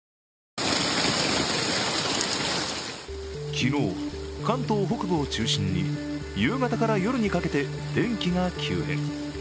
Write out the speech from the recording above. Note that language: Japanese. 昨日、関東北部を中心に夕方から夜にかけて天気が急変。